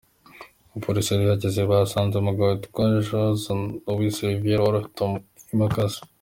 Ubwo Polisi yari ihageze, bahasanze umugabo witwa Jason Luis Rivera, wari ufite imakasi.